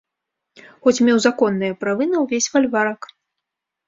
Хоць меў законныя правы на ўвесь фальварак.